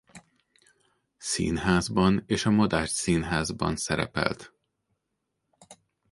Színházban és a Madách Színházban szerepelt.